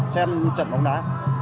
xem trận bóng đá